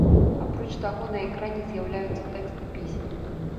Апроч таго, на экране з'яўляюцца тэксты песень.